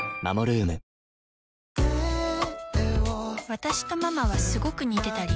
私とママはスゴく似てたり